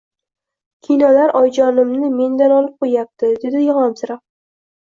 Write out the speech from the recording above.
Kinolar oyijonimni mendan olib qo`yapti, dedi yig`lamsirab